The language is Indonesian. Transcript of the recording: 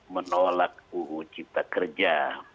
menolak ruu cipta kerja